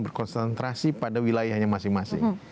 berkonsentrasi pada wilayahnya masing masing